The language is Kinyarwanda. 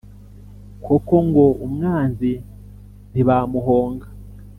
Koko ngo umwanzi ntibamuhonga !